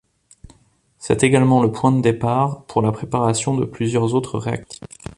C'est également le point de départ pour la préparation de plusieurs autres réactifs.